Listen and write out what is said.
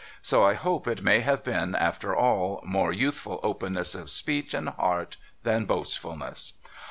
So I hope it may have been, after all, more youthful openness of speech and heart than boastfulness.'